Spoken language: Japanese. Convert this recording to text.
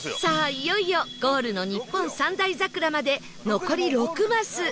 いよいよゴールの日本三大桜まで残り６マス